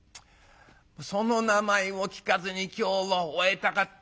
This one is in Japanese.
「その名前を聞かずに今日を終えたかったのに。